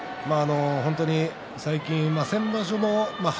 本当に最近先場所も、伯